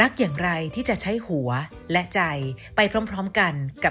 สวัสดีค่ะ